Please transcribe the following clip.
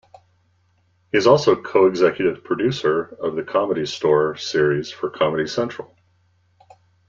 He is also co-executive producer of The Comedy Store series for Comedy Central.